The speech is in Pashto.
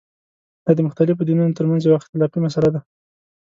دا د مختلفو دینونو ترمنځه یوه اختلافي مسله ده.